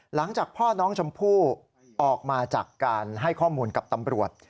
หลังจากพ่อน้องชมพู่ออกมาจากการให้ข้อมูลกับตำรวจ